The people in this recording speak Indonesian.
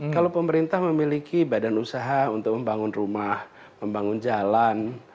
kalau pemerintah memiliki badan usaha untuk membangun rumah membangun jalan